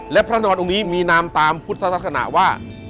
และพระนอนองค์นี้มีนามตามพุทธศาสนาว่า